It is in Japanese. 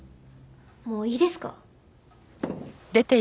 もういいですか？